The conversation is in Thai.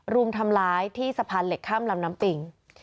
รุมทำร้ายที่สะพานเหล็กข้ามลำน้ำปิง